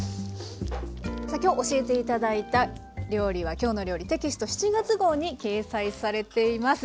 さあ今日教えて頂いた料理は「きょうの料理」テキスト７月号に掲載されています。